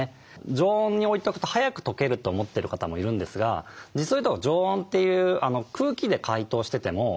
常温に置いとくと速くとけると思ってる方もいるんですが実を言うと常温という空気で解凍しててもなかなかとけないんですね。